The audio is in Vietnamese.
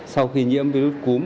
sau khi nhiễm virus cúm